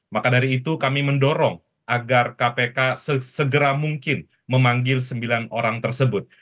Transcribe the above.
maka dari itu kami mendorong agar kpk segera mungkin memanggil sembilan orang tersebut